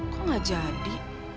kok gak jadi